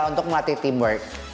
untuk melatih teamwork